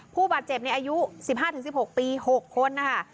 ผู้บาดเจ็บในอายุ๑๕๑๖ปี๖คนนะคะ